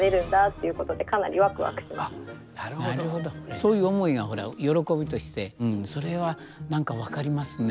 そういう思いが喜びとしてそれはなんか分かりますね。